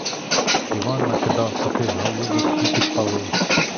Іван накидав сухих галузок і підпалив.